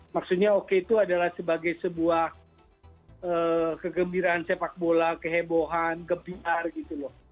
maksudnya oke itu adalah sebagai sebuah kegembiraan sepak bola kehebohan gebiar gitu loh